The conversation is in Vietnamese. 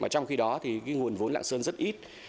trong khi đó nguồn vốn lạng sơn rất ít